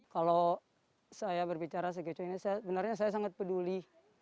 kalau saya berbicara segejo ini sebenarnya saya sangat peduli